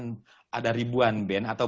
berarti saya mau